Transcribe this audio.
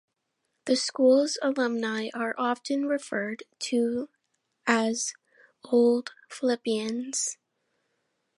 The school's alumni are often referred to as "Old Phillipians".